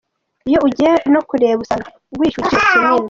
Iyo ugiye no kureba usanga wishyuye igiciro kinini.